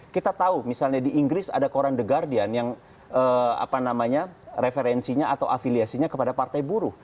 kita tahu misalnya di inggris ada koran the guardian yang referensinya atau afiliasinya kepada partai buruh